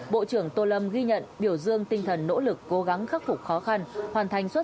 bộ trưởng tô lâm ghi nhận biểu dương tinh thần nỗ lực cố gắng khắc phục khó khăn